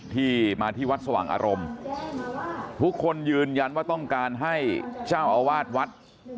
ที่มาที่วัดสว่างอารมณ์ทุกคนยืนยันว่าต้องการให้เจ้าอาวาสวัด